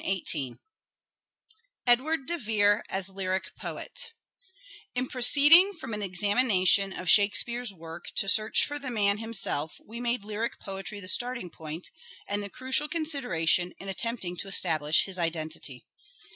CHAPTER VII EDWARD DE VERE AS LYRIC POET IN proceeding from an examination of Shakespeare's work to search for the man himself we made lyric poetry the starting point, and the crucial consideration in attempting to establish his identity.